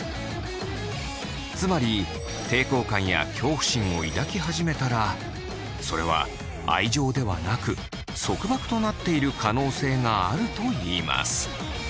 つまり抵抗感や恐怖心を抱き始めたらそれは愛情ではなく束縛となっている可能性があるといいます。